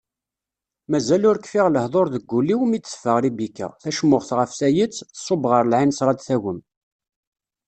Mazal ur kfiɣ lehduṛ deg wul-iw, mi d-teffeɣ Ribika, tacmuxt ɣef tayet, tṣubb ɣer lɛinseṛ ad d-tagwem.